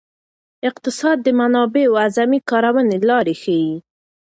اقتصاد د منابعو اعظمي کارونې لارې ښيي.